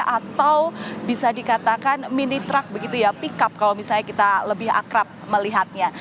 atau bisa dikatakan mini truck begitu ya pickup kalau misalnya kita lebih akrab melihatnya